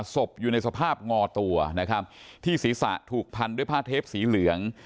ศพอยู่ในสภาพงอตัวนะครับที่ศีรษะถูกพันด้วยผ้าเทปสีเหลือง